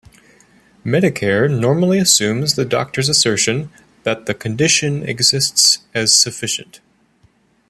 Medicare normally assumes the doctor's assertion that the condition exists as sufficient.